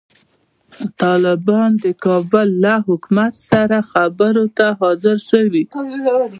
طالبان د کابل له حکومت سره خبرو ته حاضر شوي.